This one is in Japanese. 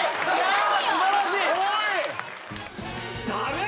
素晴らしい！